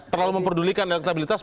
terlalu memperdulikan elektabilitas